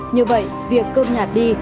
như vậy việc cơm nhạt đi